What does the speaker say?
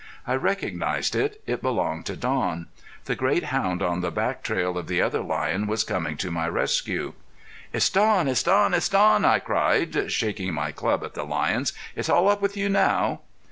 I recognized it; it belonged to Don. The great hound on the back trail of the other lion was coming to my rescue. "It's Don! It's Don! It's Don!" I cried, shaking my club at the lions. "It's all up with you now!"